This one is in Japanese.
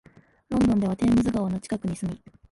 ロンドンではテームズ川の近くに住み、